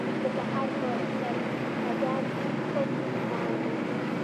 د تخار په کلفګان کې کوم کان دی؟